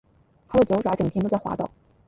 它的脚爪整天都在滑倒